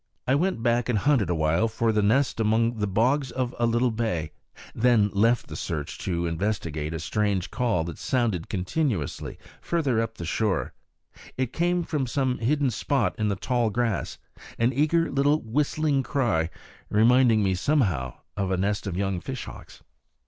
I went back and hunted awhile for the nest among the bogs of a little bay; then left the search to investigate a strange call that sounded continuously farther up the shore. It came from some hidden spot in the tall grass, an eager little whistling cry, reminding me somehow of a nest of young fish hawks.